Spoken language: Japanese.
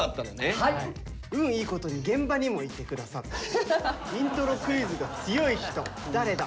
運いいことに現場にもいて下さってイントロクイズが強い人誰だ？